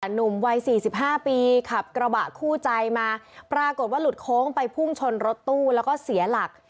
หนุ่มวัย๔๕ปีขับกระบะคู่ใจมาปรากฏว่าหลุดโค้งไปพุ่งชนรถตู้แล้วก็เสียหลัก